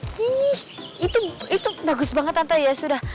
itu bagus banget tante ya sudah